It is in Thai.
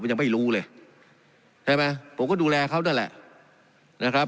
ยังไม่รู้เลยใช่ไหมผมก็ดูแลเขานั่นแหละนะครับ